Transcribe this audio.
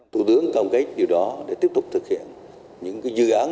thủ tướng công kết điều đó để tiếp tục thực hiện những dự án